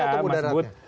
ya sederhana saja mas bud